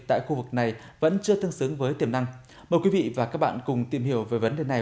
tại khu vực này vẫn chưa tương xứng với tiềm năng mời quý vị và các bạn cùng tìm hiểu về vấn đề này